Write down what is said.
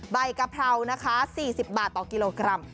กะเพรานะคะ๔๐บาทต่อกิโลกรัม